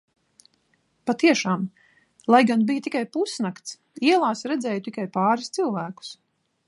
Patiešām, lai gan bija tikai pusnakts, ielās redzēju tikai pāris cilvēkus.